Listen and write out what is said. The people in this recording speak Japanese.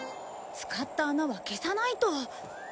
使った穴は消さないと。